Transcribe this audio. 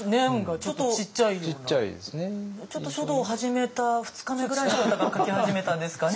ちょっと書道を始めた２日目ぐらいの方が書き始めたんですかね。